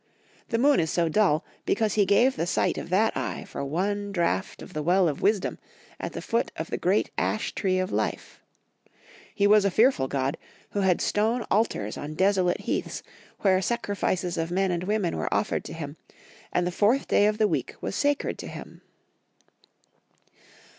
The moon is so dull because he gave the sight of that eye for one draught of the well of wisdom at the foot of the great ash tree of life. He was a fearful god, who had stone altars on desolate heaths, where sacrifices of men and women were offered to him, and the fourth day of the week was sacred to him.